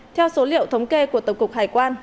theo số liệu thống kê của tổng cục hải quan